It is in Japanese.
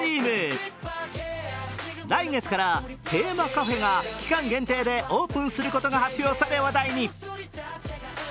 来月からテーマかフェが期間限定でオープンすることが発表され話題に。